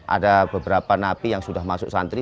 ada beberapa napi yang sudah masuk santri